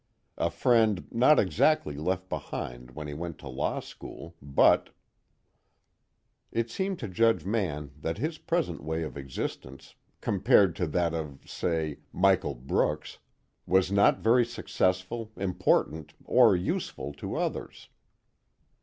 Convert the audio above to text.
A friend not exactly left behind when he went to law school, but It seemed to Judge Mann that his present way of existence, compared to that of, say, Michael Brooks, was not very successful, important, or useful to others.